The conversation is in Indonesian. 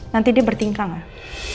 nanti dia bertingkah gak